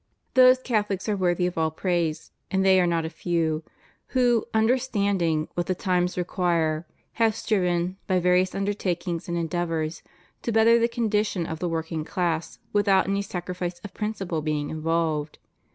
Those Catholics are worthy of all praise — and they are not a few — who, understanding what the times require, have striven, by various undertakings and endeavors, to better the condition of the working class without any sacrifice of principle being involved.